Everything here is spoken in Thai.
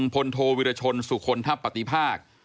พลโทวิรชนสุคลทัพปฏิภาค